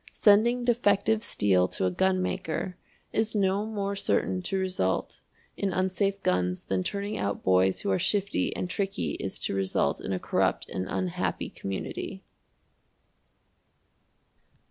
Sending defective steel to a gunmaker is no more certain to result in unsafe guns than turning out boys who are shifty and tricky is to result in a corrupt and unhappy community.